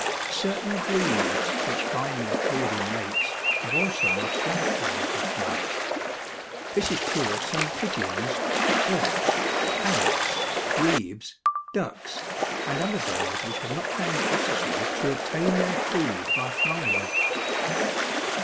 Certain grebes which find their food in lakes have also lost their power of flight. This is true of some pigeons, auks, parrots, grebes, ducks and other birds which have not found it necessary to obtain their food by flying.